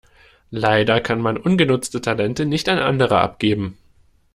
Leider kann man ungenutzte Talente nicht an andere abgeben.